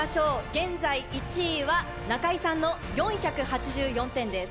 現在１位は中井さんの４８４点です。